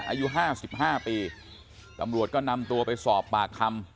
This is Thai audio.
อายุ๕๕ปีตำรวจก็นำตัวไปสอบปากคำ